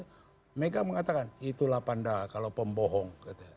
ibu bumega mengatakan itulah pandal kalau pembohong